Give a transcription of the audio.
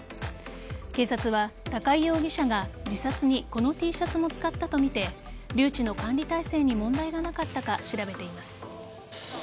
警察は高井容疑者が自殺にこのＴシャツを使ったとみて留置の管理体制に問題がなかったか調べています。